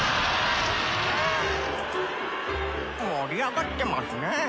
盛り上がってますねぇ。